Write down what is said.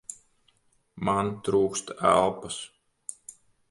Man trūkst elpas!